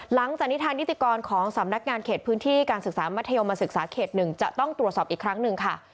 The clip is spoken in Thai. หลังจากนี้ทางนิติกรของสำนักงานเขตพื้นที่การศึกษามัธยมศึกษาเขต๑จะต้องตรวจสอบอีกครั้งหนึ่งค่ะ